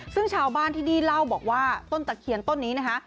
ซึ่งชาวบ้านที่นี่เล่าบอกว่าต้นตะเคียนต้นนี้นะคะ